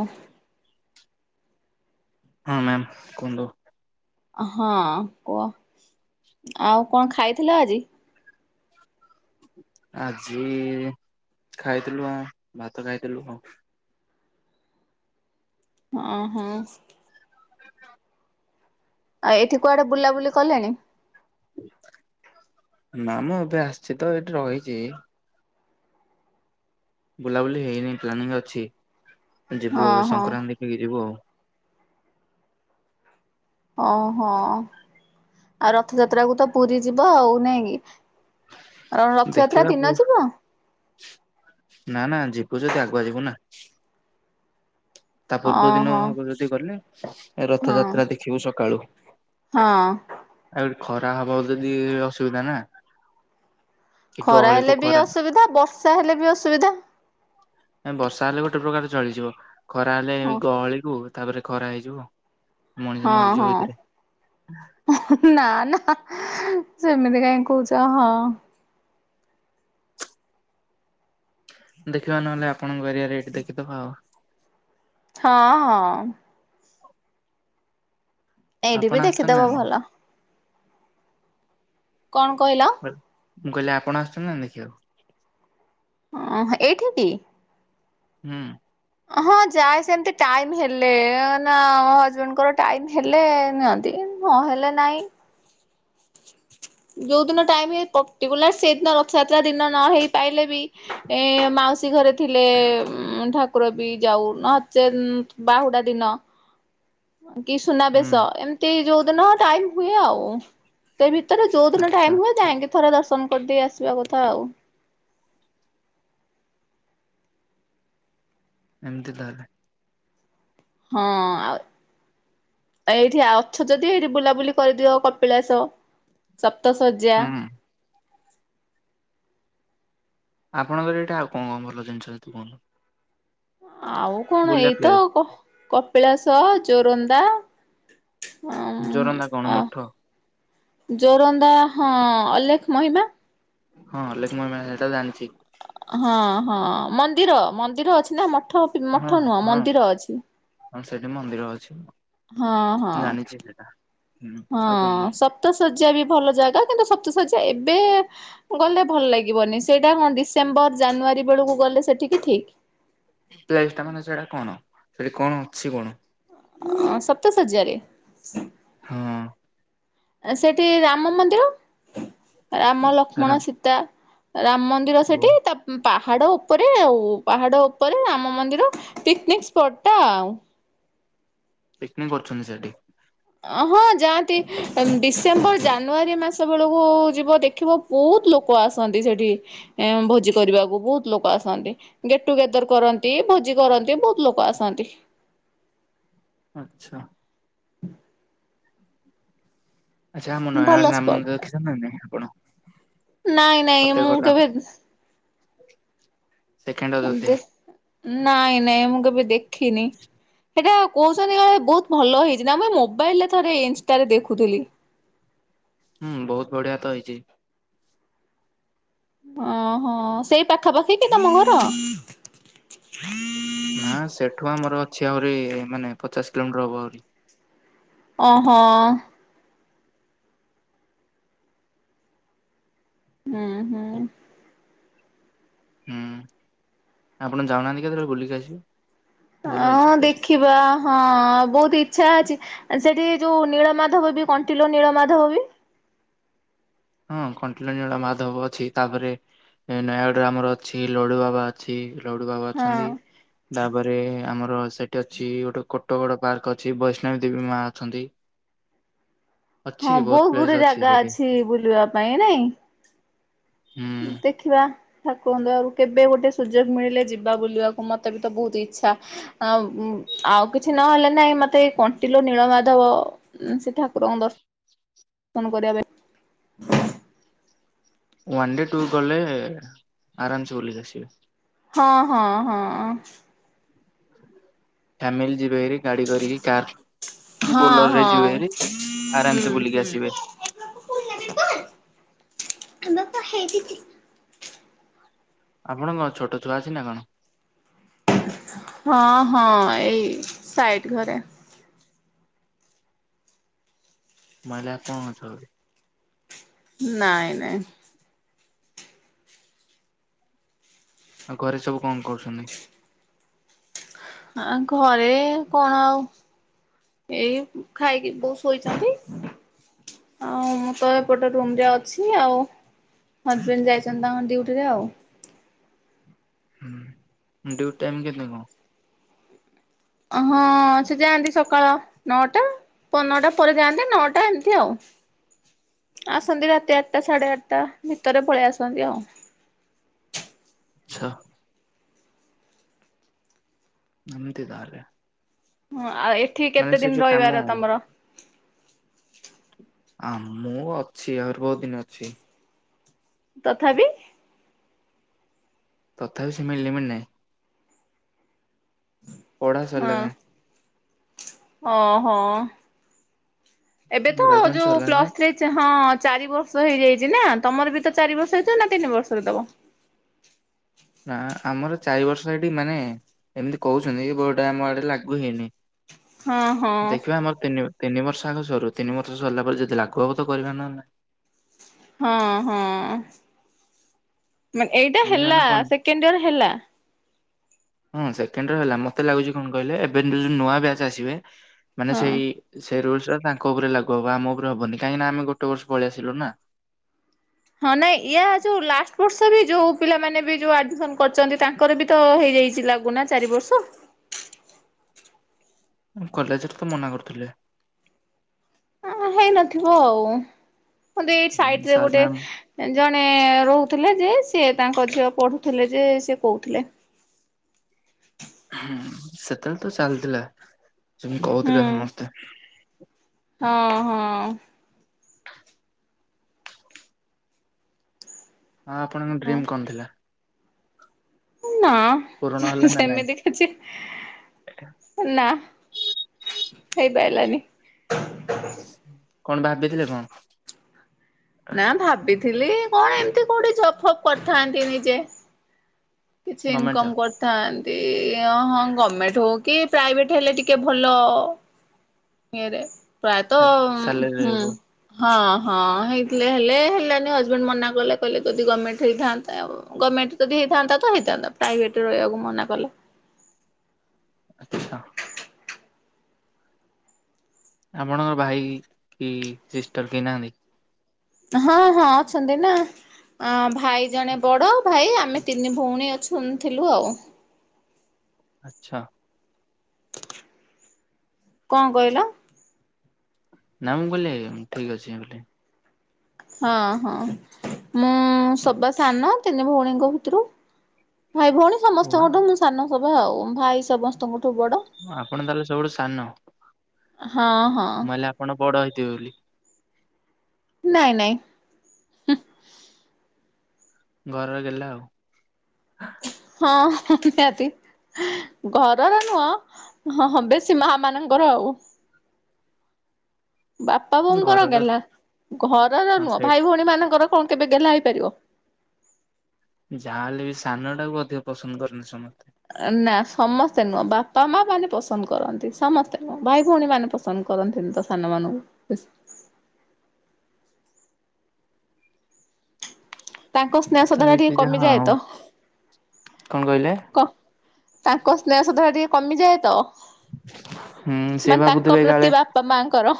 ଓ ହଁ ମ୍ୟାମ୍ କୁହନ୍ତୁ। ହଁ! କୁଅ ଆଉ କ'ଣ ଖାଇଥିଲ ଆଜି? ଆଜି ଖାଇଥିଲୁ, ଭାତ ଖାଇଥିଲୁ ଆଉ। ଅଁ ହଁ! ଆଉ ଏଇଠି କୁଆଡେ ବୁଲାବୁଲି କଲେଣି? ନା ମ ଏବେ ଆସିଛି ତ ଏଠି ରହିଚି। ବୁଲାବୁଲି ହେଇନି ପ୍ଲାନିଂ ଅଛି। ଯିବୁ ହଁ ଆଉ ହଁ ସଂକ୍ରାନ୍ତିିକି ଯିବୁ ଆଉ। ଅଁ ହଁ! ଆଉ ରଥଯାତ୍ରାକୁ ତ ପୁରୀ ଯିବ ଆଉ ନାଇଁ କି? ରଥଯାତ୍ରା ଦେଖିବା ପୁ ଦିନ ଯିବ? ତୁ ଯଦି ଆଗୁଆ ଯିବୁ ନା ତା ପୂର୍ବ ଦିନ ଓହୋ ହବ ଯଦି ଗଲେ, ହଁ ରଥଯାତ୍ରା ଦେଖିବୁ ସକାଳୁ। ହଁ! ଆଉ ଖରା ହବ ଯଦି ଅସୁବିଧା ନା। କି ଖରା ଗହଳିକୁ ହେଲେ ବି ଖରା ଅସୁବିଧା, ବର୍ଷା ହେଲେ ବି ଅସୁବିଧା। ବର୍ଷା ହେଲେ ଗୋଟେ ପ୍ରକାର ଚଳିଯିବ। ଖରା ହେଲେ ହଁ ଏ ଗହଳିକୁୁ ତାପରେ ଖରା ହେଇଯିବ। ମଣିଷ ହଁ ମରିଯିବ ଭିତରେ ହଁ ନା ନା ସେମିତି କାହିଁ କହୁଚ। ହଁ! ଦେଖିବା ନହେଲେ ଆପଣଙ୍କ ଏରିଆ ରେ, ହେଇଠି ଦେଖିଦେବା। ଆଉ ହଁ ହଁ! ଏଇଠି ଆପଣ ବି ଆସିଛନ୍ତି ନା ଦେଖିଦବ ନାଇଁ? ଭଲ। କ'ଣ କହିଲ? ମୁଁ କହିଲି ଆପଣ ଆସୁଛନ୍ତି ନା ଦେଖିବାକୁ? ହଁ! ଏଇଠିି କି ହୁଁ! ହଁ! ଯାଏ ସେମିତି ଟାଇମ ହେଲେ, ନା ମୋ ହଜବେଣ୍ଡଙ୍କ ର ଟାଇମ୍‌ ହେଲେ ନିଅନ୍ତି। ନ ହେଲେ ନାଇଁ। ଯଉ ଦିନ ଟାଇମ ହୁଏ, ପର୍ଟିକୁଲାର ସେଇଦିନ ରଥଯାତ୍ରା ଦିନ। ନ ହେଇ ପାଇଲେ ବି ଏ ମାଉସୀ ଘରେ ଥିଲେ ଢା କୁକୁର ବି ଯାଉ ନହଚେ ବାହୁଡା ଦିନ କି ସୁନାବେେଶ ହୁଁ ଏମିତି ଯୋଉଦିନ ଟାଇମ ହୁଏ ଆଉ ତ ଭିତରେ ଯଉ ଦିନ ଆଚ୍ଛା ଟାଇମୁ ଯାଏ ଥୋରା ଦଶ ପନ୍ଦ କରିଦେଇ ଆସିବା କଥା ଆଉ ଏମିତି ତାହଲେ ହଁ ଆଉ ଆ ଏଇଠି ଅଛ ଯଦି ଏଇଠି ବୁଲାବୁଲି କରିଦିଅ କପିଳାସ ସ ତ ସଜା ହୁଁ ଆପଣଙ୍କର ଏଇଟା ଆଉ କଣ କଣ ଭଲ ଜିନିଷ ତୁ କୁହନ୍ତୁ ଆଉ କଣ ବୁଲିବା ଏଇତ ପ୍ଲେସ୍ କପିଳାସ ଚୋରନ୍ଦା ଜୋରନ୍ଦା କଣ ମଠ ଜୋରନ୍ଦା ହଁ ଅଲେଖ ମହିମା ହଁ ଲକ୍ମୟ ମିେଳା ସେଇ ତ ଜାଣିଛି ହଁ ହଁ ମନ୍ଦିର ମନ୍ଦିର ଅଛି ନା ମୋ ମଠ ମଠ ନୁହଁ ମନ୍ଦିର ଅଛି କଣ ସେଇଠି ମନ୍ଦିର ଅଛି ହଁ ହଁ ଜାଣିଛି ସେଟା ହୁଁ ଆଉ କଣ ହଁ କଣ ସବ ତ ସ ଶଯ୍ୟା ବି ଭଲ ଜାଗା କିନ୍ତୁ ସପ୍ତ ଶଯ୍ୟା ଏବେ ଗଲେ ଭଲ ଲାଗିବନି ସେଇଟା କଣ ଡିସେମ୍ବର ଜାନୁଆାରୀ ବେଳକୁ ଗଲେ ସେଠିକି ଠିକ ଟା ମାନେ ସେଟା କଣ ସେଠି କଣ ଅଛି କଣ ଅ ସପ୍ତସଜ୍ଜାରେରେ ହଁ ସେଠି ରାମ ମନ୍ଦିର ରାମ ସାରା ଲକ୍ଷ୍ମଣ ସୀତା ରାମ ମନ୍ଦିର ଓ ସେଠି ତା ପାହାଡ ଉପରେ ଆଉ ପାହାଡ ଉପରେ ରାମ ମନ୍ଦିର ପିକନିକ ସ୍ପଟ ଟା ଆଉ ପିକନିକ୍ କରୁଛନ୍ତି ସେଠି ହଁ ଯାଆନ୍ତି ଡିସେମ୍ବର ଜାନୁଆରୀ ମାସ ବେଳକୁ ଯିବ ଦେଖିବ ବହୁତ ଲୋକ ଆସନ୍ତି ସେଠି ଭୋଜି କରିବାକୁ ବହୁତ ଲୋକ ଆସନ୍ତି ଗେଟ ଟୁଗେଦର କରନ୍ତି ଭୋଜି କରନ୍ତି ବହୁତ ଲୋକ ଆସନ୍ତି ଆଚ୍ଛା ଆଚ୍ଛା ଆମ ଭଲ ନୟାଗଳ ନ ସ୍ପଟ ମନ୍ଦର ଟା। ଦେଖିଛନ୍ତି ନମେ ଆପଣ ନାଇଁ ନାଇଁ ମୁଁ ଫତେଗଡ ରାମ କେବେ ସେକେଣ୍ଡ ଅଯୋଧ୍ୟା ଦେ ନ ନାଇଁ ମୁ ମୁଁ କବେ ଦେଖି ନ ସେଇଟା କହୁଛନ୍ତି କ ବହୁତ ଭଲ ହେଇଛି ନା ମୁଇ ମୋବାଇଲରେ ଥରେ ଇନଷ୍ଟରେ ଦେଖୁଥିଲି ହୁଁ ବହୁତ ବଢିଆ ତ ହେଇଛି ଓହୋ ସେଇ ପାଖାପାଖି କି ତମ ଘର ନା ସେଠୁ ଆମର ଅଛି ଆହୁରି ମାନେ ପଚାଶ କିଲୋମିଟର ହବ ଆହୁରି ଓହୋ ହୁଁ ହୁଁ ହୁଁ ଆପଣ ଯାଉନାହାନ୍ତି କେତେବେଳେ ବୁଲିକି ଆସିବୁ ହଁ ଦେଖିବା ହଁ ବହୁତ ଇଚଛା ଅଛି ସେଠି ଯୋଉ ନୀଳମାଧବ ବି କଣ୍ଟିଲ ନୀଳ ମାଧବ ବି ହଁ କଣ୍ଟଲଞଜଳା ମାଧବ ଅଛି ତାପରେ ନୟାଗଡରେ ଆମର ଅଛି ଲଡୁ ବାବା ଅଛି ରଉ ବାବ ହଁ ଅଛନ୍ତି ତାପରେ ଆମର ସେଠି ଅଛି ଗୋଟେ କୋଟ ଗଡ ପାର୍କ ଅଛି ବୈଷ୍ଣବୀ ଦେବୀ ମା ଅଛନ୍ତି ଅଛି ହଁ ବହୁତ ପ୍ଲେସ୍ ଗୁଡେ ଜାଗା ସେଠି ଅଛି ବୁଲିବା ପାଇଁ ନାଇଁ ଦେଖିବା ଠାକୁର ଦେରୁ କେବେ ଗୋଟେ ସୁଯୋଗ ମିଳିଲେ ଯିବା ବୁଲିବାକୁ ମୋତେ ବି ତ ବହୁତ ଇଚ୍ଛା ଆଉ କିଛି ନହେଲେ ନାଇଁ ମତେ ଏଇ କଣ୍ଟିଲୋ ନୀଳମାଧବ ସେ ଠାକୁରଙ୍କ ଦର୍ଶନ କଣ କରିବା ବେ? ୱନ୍ ଡେ ଟୁ ଗଲେ ଆରାମ୍ ସେ ବୁଲିକି ଆସିବେ। ହଁ ହଁ ହଁ। ଫ୍ୟାମିଲି ଯିବେହାରି। ଗାଡି କରିକି କାର୍ କି ହଁ ବୋଲର ରେ ହଁ ଯିବେ ବାହାରି ଆରାମ୍ ହୁଁ ସେ ବୁଲିକି ହୁଁ ଆସିବେ। [inaudible] ଆପଣଙ୍କ ଛୋଟ ଛୁଆ ଅଛି ନା କଣ? ହଁ ହଁ ଏଇ ସାଇଟ୍ ଘରେ। ମୁଁ ଭାବିଲି ଆପଣ ଅଛ ବୋଲି। ନାଇଁ ନାଇଁ। ଆଉ ଘରେ ସବୁ କଣ କରୁସନି? ଆ ଘରେ କଣ ଆଉ ଏଇ ଖାଇକି ବୋଉ ଶୋଇଛନ୍ତି। ଆଉ ମୁଁ ତ ଏପଟ ରୁମ୍ ରେ ଅଛି ଆଉ। ହଜବେଣ୍ଡ ଯାଇଛନ୍ତି ତାଙ୍କ ଡିୟୁଟି ରେ ଆଉ। ଡିୟୁଟି ଟାଇମ୍ କେତେ କଣ? ହଁ ସେ ଯାଆନ୍ତି ସକାଳ ନଅଟା ପ ନଅଟା ପରେ ଯାଆନ୍ତି ନଅଟା ଏମିତି ଆଉ। ଆସନ୍ତି ରାତି ଆଠଟା ସାଢେ ଆଠଟା ଭିତରେ ପଳେଇ ଆସନ୍ତି ଆଉ। ଛଅ ଏମିତି ତାହାଲେ। ହଁ ଆଉ ଏଠି କେତେ ଦିନ ରହିବାର ତମର? ଆ ମୁଁ ଅଛି ଆହୁରି ବହୁତ ଦିନ ଅଛି। ତଥାବି ତଥାବି ସେ ମିଲିମିନେ ପଢ଼ା ସାରିଲା ଯାଏଁ। ହଁ ହଁ। ଏବେ ତ ଗ୍ରାଜୁଏସନ୍ ଯୋଉ ସରିଲା ଯାଏଁ ପ୍ଲସ ଥ୍ରୀ ହଁ ଚାରି ବର୍ଷ ହେଇଯାଇ ଛି ନା ତମର ବି ତ ଚାରି ବର୍ଷ ହେଇଥିବ ନା ତିନି ବର୍ଷରେ ଦବ? ଆ ଆମର ଚାରି ବର୍ଷ ସେଇଠି ମାନେ ଏମିତି କହୁଛନ୍ତି ବଟ୍ ଆମ ଆଡେ ଲାଗୁ ହେଇନି। ହଁ ହଁ ଦେଖିବା ଆମର ତିନି ତିନି ବର୍ଷ ଆଗ ସରୁ ତିନି ବର୍ଷ ସରିଲା ପରେ ଯଦି ଲାଗୁ ହବ ତ କରିବା ନହଲେ ହଁ ହଁ। ମେ ଏଇଟା ସେମିତି ହେଲା ମାନେ କଣ ସେକେଣ୍ଡ ଇୟର ହେଲା? ହଁ ସେକେଣ୍ଡ ଇୟର୍ ହେଲା ମତେ ଲାଗୁଛି କଣ କହିଲେ, ଏବେ ଯ ଯୋ ନୂଆ ବ୍ୟାଚ୍ ଆସିବେ ମାନେ ହଁ। ସେଇ ସେ ସେ ରୁଲସ୍‌ ତାଙ୍କ ଉପରେ ଲାଗୁ ହବ ଆମ ଉପରେ ହବନି କାହିଁକି ନା ଆମେ ଗୋଟେ ବର୍ଷ ପଳେଇ ଆସିଲୁ ନା। ହଁ ନାଇଁ ୟା ଯୋଉ ଲାଷ୍ଟ ବର୍ଷ ବି ଯୋଉ ପିଲାମାନେ ବି ଯୋଉ ଆଡମିସନ କରିଛନ୍ତି ତାଙ୍କର ବି ତ ହେଇ ହେଇଚି ଲାଗୁ ନା ଚାରି ବର୍ଷ? ଉଁ କଲେଜ୍‌ ରେ ତ ମନା କରୁଥିଲେ। ହଁ ହେଇନଥିବ ଆଉ। ମୋତେ ଏଇ ସାଇଟ୍ ରେ ସାର୍ ଗୋଟେ ମ୍ୟାମ୍ ଜଣେ ରହୁଥିଲେ ଯେ ସିଏ ତାଙ୍କ ଝିଅ ପଢୁଥିଲେ ଯେ ସେ କହୁଥିଲେ। ସେତେବେଳେ ତ ଚାଲିଥିଲା ସେମିତି ହୁଁ କହୁଥିଲେ ସମସ୍ତେ। ହଁ ହଁ। ହଁ ଆପଣଙ୍କ ହଁ ଡ୍ରିମ୍ କଣ ଥିଲା? ନା ପୂରଣ ହେଲା ନା ନାଇଁ? ସେମିତି କିଛି ନା ହେଇପାଇଲାନି। କଣ ଭାବିଥିଲେ କଣ? ନା ଭାବିଥିଲି କଣ ଏମତି କୋଉଠି ଜବ୍ ଫବ୍ କରିଥାନ୍ତି ନିଜେ। କିଛି ଗମେଣ୍ଟ ଇନକମ କରିଥାନ୍ତି ହଁ ଗଭର୍ମେଣ୍ଟ ହଉ କି ପ୍ରାଇଭେଟ ହେଲେ ଟିକେ ଭଲ ଇଏରେ। ପ୍ରାୟତଃ ଜବ୍ ସାଲେରୀ ହୁଁ ରହିବ ହଁ ହଁ ହେଇଥିଲେ ହେଲେ ହେଲାନି ହଜବେଣ୍ଡ ମନା କଲେ କହିଲେ ଯଦି ଗଭର୍ଣ୍ଣମେଣ୍ଟ ହେଇଥାନ୍ତା ଗମେ ମେଣ୍ଟ ଯଦି ହେଇଥାନ୍ତା ତ ହେଇଥାନ୍ତା ପ୍ରାଇଭେଟରେ ରହିବାକୁ ମନା କଲା। ଆଛା ଆପଣଙ୍କ ଭାଇ କି ସିଷ୍ଟର କେହି ନାହାନ୍ତି? ହଁ ହଁ ଅଛନ୍ତି ନା ଅ ଭାଇ ଜଣେ ବଡ ଭାଇ ଆମେ ତିନି ଭଉଣୀ ଅଛୁ ଉ ଥିଲୁ ଆଉ ଆଛା କଣ କହିଲ। ନ ମୁ କହଲେ ଠିକ ଅଛି ବୋଲି ହଁ ହଁ ମୁଁ ସବା ସାନ ତିନି ଭଉଣୀଙ୍କ ଭିତରୁ ଭାଇ ଭଉଣୀ ୱାଓ ସମସ୍ତଙ୍କଠୁ ମୁଁ ସାନ ସଭା ଆଉ ଭାଇ ସମସ୍ତଙ୍କଠୁ ବଡ। ଆପଣ ତାଲେ ସବୁଠୁ ସାନ। ହଁ ହଁ ମୁଆଲେ ଆପଣ ବଡ ହେଇଥିବେ ବୋଲି। ନାଇଁ ନାଇଁ ହୁ ଘରର ଗେଲା ଆଉ। ହଁ ସେତି ଘରର ନୁହଁ ହ ହଁ ବେଶୀ ମା ମାନଙ୍କର ଆଉ ବାପା ବୋଉଙ୍କର ଘରର ଗେଲା ଘରର ହଁ ନୁହଁ ସେଇଟା ଭାଇ ଭଉଣୀ ମାନଙ୍କର କଣ କେବେ ଗେଲା ହେଇପାରିବ। ଯାହାହଲେ ବି ସାନ ଟାକୁ ଅଧିକ ପସନ୍ଦ କନି ସମସ୍ତେ ନା ସମସ୍ତେ ନୁହଁ ବାପା ମା ମାନେ ପସନ୍ଦ କରନ୍ତି ସମସ୍ତେ ନୁହଁ ଭାଇ ଭଉଣୀ ମାନେ ପସନ୍ଦ କରନ୍ତିନି ତ ସାନ ମାନ ତାଙ୍କ ସ୍ନେହସଧାରା ଟିକେ ଚାଲିଛି ଯାହା କମିଯାଏ ଆଉ ତ କଣ କହିଲେ କ ତାଙ୍କ ସ୍ନେହ ସୁଦ୍ଧଟା ଟିକେ କମିଯାଏ ତ ହୁଁ ସେ ମାନେ ତାଙ୍କ ଭାବୁଥିବେ କାଳେ ପ୍ରତି ବାପା ମାଙ୍କର।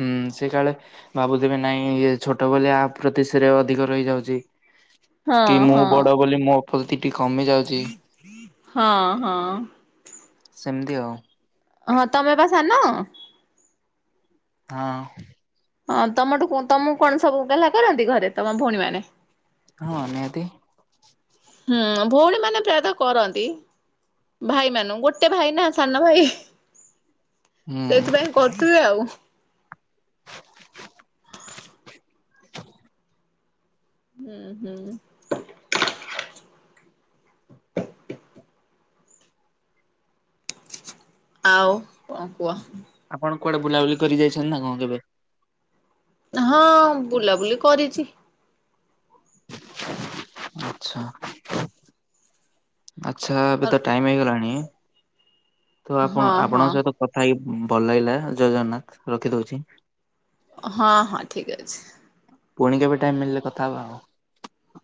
ହୁଁ ସେ କାଳେ ଭାବୁଥିବେ ନାଇଁ ଇଏ ଛୋଟ ବୋଲି ଆ ପ୍ରତିଶରେ ଅଧିକ ରହିଯାଉଛି। ହଁ କି ମୁଁ ହଁ ବଡ ବୋଲି ମୋ ପ୍ର ହଁ ହଁ ସେମିତି ଆଉ ହଁ ତମେ ପା ସାନ ହଁ ହଁ ତମଠୁ ତମକୁ କଣ ସବୁ ଗେଲ୍ଲା କରନ୍ତି ଘରେ ତମ ଭଉଣୀ ମାନେ ହଁ ନିହାତି ହୁଁ ଭଉଣୀ ମାନେ ପ୍ରାୟତ କରନ୍ତି। ଭାଇ ମାନ ଗୋଟେ ଭାଇ ନା ସାନ ଭାଇ ହୁଁ ସେଥିପାଇଁ କରୁଥିବେ ଆଉ [inaudible] ହୁଁ ହୁଁ ଆଉ କଣ କୁହ। ଆପଣ କୁଆଡେ ବୁଲାବୁଲି କରି ଯାଇଛନ୍ତି ନା କଣ କେବେ? ହଁ ବୁଲାବୁଲି କରିଛି। ଆଚ୍ଛା। ଆଚ୍ଛା ଏବେ ହଁ ତ ଟାଇମ ହେଇଗଲାଣି ତ ଆପଣ ହଁ ଆପଣଙ୍କ ସହିତ କଥା ହେଇ ଭଲ ଲାଗିଲା ଜୟ ଜଗନ୍ନାଥ ରଖି ଦଉଛି। ହଁ ହଁ ଠିକ ଅଛି। ପୁଣି କେବେ ଟାଇମ ମିଳିଲେ କଥା ହବା ଆଉ